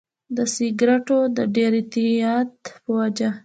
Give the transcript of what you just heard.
د سیګریټو د ډېر اعتیاد په وجه.